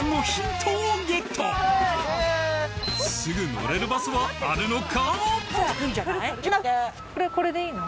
すぐ乗れるバスはあるのか？